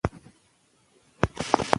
مېلې خلک هڅوي، چي له نوو شیانو سره اشنا سي.